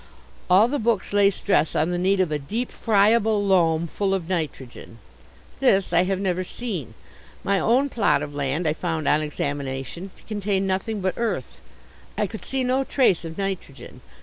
All the books lay stress on the need of "a deep, friable loam full of nitrogen." This I have never seen. My own plot of land I found on examination to contain nothing but earth. I could see no trace of nitrogen.